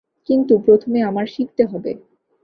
কিন্তু, প্রথমে আমার শিখতে হবে।